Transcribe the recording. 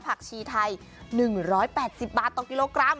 ผักชีไทย๑๘๐บาทต่อกิโลกรัม